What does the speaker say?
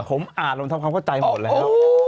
ผมอ่านลงทำความเข้าใจหมดแล้ว